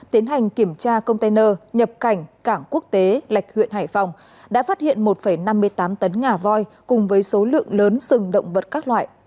tiến hành kiểm tra container nhập cảnh cảng quốc tế lạch huyện hải phòng đã phát hiện một năm mươi tám tấn ngà voi cùng với số lượng lớn sừng động vật các loại